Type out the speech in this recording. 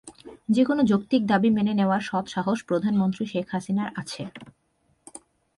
যেকোনো যৌক্তিক দাবি মেনে নেওয়ার সৎ সাহস প্রধানমন্ত্রী শেখ হাসিনার আছে।